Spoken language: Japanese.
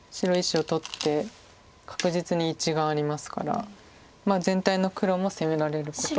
１子を取って確実に１眼ありますから全体の黒も攻められることはないです。